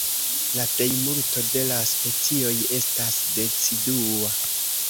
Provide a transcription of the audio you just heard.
La plejmulto de la specioj estas decidua.